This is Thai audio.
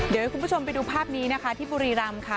เดี๋ยวให้คุณผู้ชมไปดูภาพนี้นะคะที่บุรีรำค่ะ